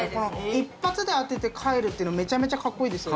一発で当てて帰るっていうのめちゃめちゃ格好いいですよね。